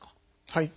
はい。